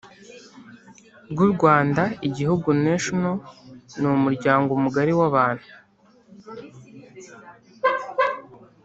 Rw u rwanda igihugu nation ni umuryango mugari w abantu